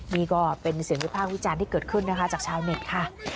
นี่ก็เป็นเสียงวิพากษ์วิจารณ์ที่เกิดขึ้นนะคะจากชาวเน็ตค่ะ